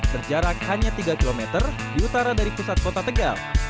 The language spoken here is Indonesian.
berjarak hanya tiga km di utara dari pusat kota tegal